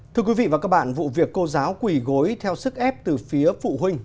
thưa quý vị và các bạn vụ việc cô giáo quỳ gối theo sức ép từ phía phụ huynh